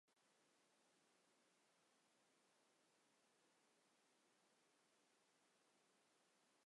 এটি জৈব-শ্রেণীবিন্যাস ও শ্রেণীবিন্যাস-ক্রমের অন্যতম একক।